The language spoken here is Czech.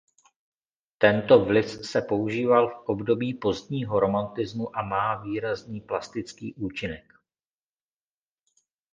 Tento vlys se používal v období pozdního romantismu a má výrazný plastický účinek.